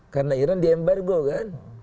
karena iran di embargo kan